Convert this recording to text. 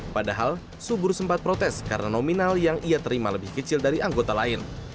padahal subur sempat protes karena nominal yang ia terima lebih kecil dari anggota lain